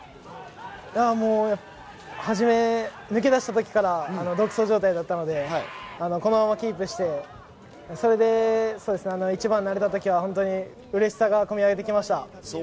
はじめ抜け出した時から独走状態だったので、このままキープして、それで一番になれた時は嬉しさが込み上げてきました。